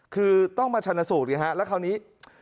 คือต้องมาชะนสูตรอย่างนี้ครับแล้วคราวนี้